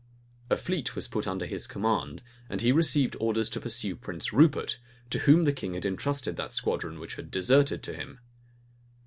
A fleet was put under his command, and he received orders to pursue Prince Rupert, to whom the king had intrusted that squadron which had deserted to him.